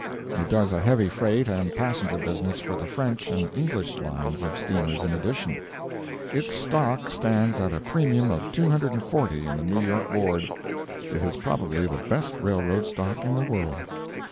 It does a heavy freight and passenger business for the French and English lines of steamers in addition. Its stock stands at a premium of 240 in the New York board. It is probably the best railroad stock in the world.